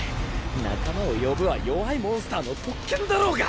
「仲間を呼ぶ」は弱いモンスターの特権だろうが！